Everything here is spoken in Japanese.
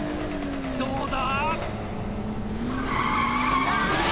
どうだ？